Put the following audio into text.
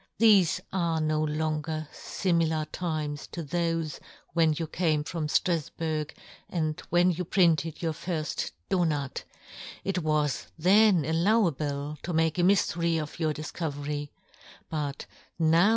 Thefe are no * longer fimilar times to thofe when you camefrom Strafburg, and when ' you printed your firft Donat ; it ' was then allowable to make a myf ' tery of your difcovery, but now yohn Gutenberg.